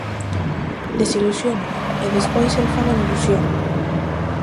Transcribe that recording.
Desilusióname, e despois el fala de "ilusión".